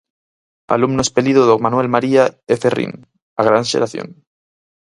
Alumno espelido do Manuel María e Ferrín: a gran xeración.